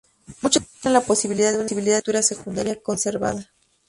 Muchos muestran la posibilidad de una estructura secundaria conservada.